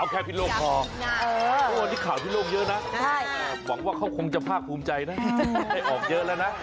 แค่พิโลกพอวันนี้ข่าวที่โลกเยอะนะหวังว่าเขาคงจะภาคภูมิใจนะให้ออกเยอะแล้วนะ